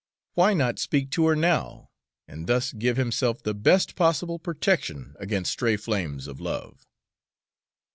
Why not speak to her now, and thus give himself the best possible protection against stray flames of love?